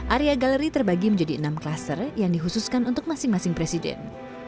area galeri terbagi menjadi enam klaster yang dikhususkan untuk masing masing presiden